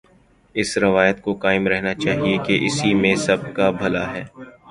اس روایت کو قائم رہنا چاہیے کہ اسی میں سب کابھلا ہے۔